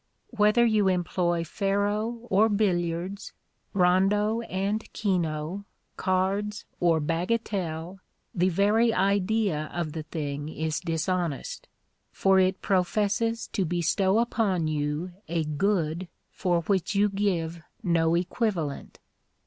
Whether you employ faro or billiards, rondo and keno, cards, or bagatelle, the very idea of the thing is dishonest; for it professes to bestow upon you a good for which you give no equivalent.